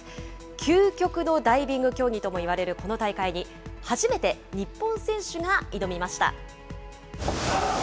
究極のダイビング競技ともいわれるこの大会に初めて日本選手が挑みました。